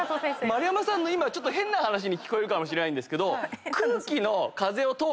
丸山さんの変な話に聞こえるかもしれないんですけど空気の。